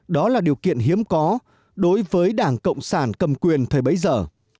đó là điều kiện hiếm có đối với đảng cộng sản cầm quyền thời bấy giờ